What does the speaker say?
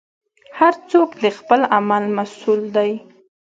هر څوک د خپل عمل مسوول دی.